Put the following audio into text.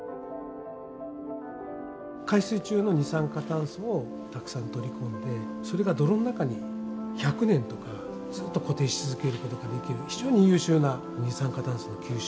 海水中の二酸化炭素をたくさん取り込んでそれが泥の中に１００年とかずっと固定し続けることができる非常に優秀な二酸化炭素の吸収